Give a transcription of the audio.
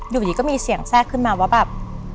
อยู่ดีก็มีเสียงแทรกขึ้นมาว่าแบบ